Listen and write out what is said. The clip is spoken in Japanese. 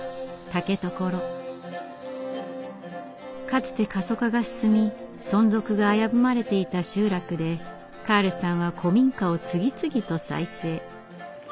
かつて過疎化が進み存続が危ぶまれていた集落でカールさんは古民家を次々と再生。